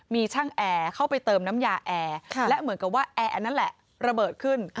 มีช่างแอร์เข้าไปเติมน้ำยาแอร์และเหมือนกับว่าแอร์อันนั้นแหละระเบิดขึ้น